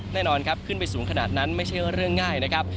แน่นอนครับขึ้นไปสูงขนาดนั้นไม่ใช่เรื่องง่ายนะครับ